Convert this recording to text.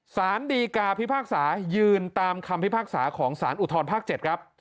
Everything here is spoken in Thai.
สารดีกาพิพากษายืนตามคำพิพากษาของสารอุทธรภาค๗ครับ